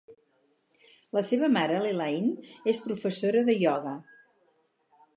La seva mare, l'Elaine, és professora de ioga.